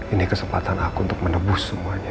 ini kesempatan aku untuk menebus semuanya